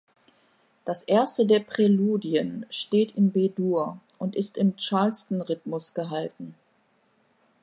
Das erste der Präludien steht in B-Dur und ist im Charleston-Rhythmus gehalten.